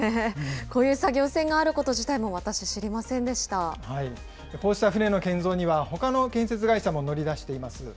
こういう作業船があること自体、こうした船の建造にはほかの建設会社も乗り出しています。